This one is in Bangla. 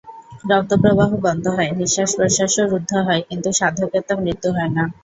রক্তপ্রবাহ বন্ধ হয়, নিঃশ্বাস-প্রশ্বাসও রুদ্ধ হয়, কিন্তু সাধকের তো মৃত্যু হয় না।